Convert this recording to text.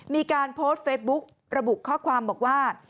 มีการโพสต์เฟซบุ๊กระบุข้อความบอกว่า